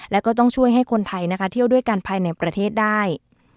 และก็ต้องช่วยให้คนไทยแจ้วด้วยกันภายในประเทศได้